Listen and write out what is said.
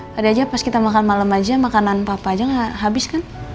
tadi aja pas kita makan malam aja makanan papa aja habis kan